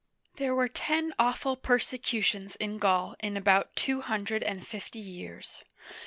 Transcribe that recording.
There were ten awful persecutions in Gaul in about two hundred and fifty years.